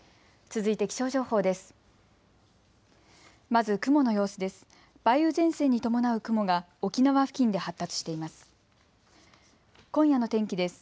続いて気象情報です。